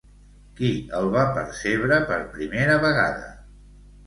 Qui el va percebre per primera vegada?